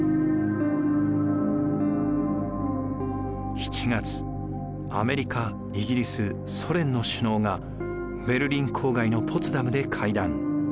７月アメリカイギリスソ連の首脳がベルリン郊外のポツダムで会談。